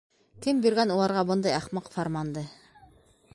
Кем биргән уларға бындай ахмаҡ фарманды?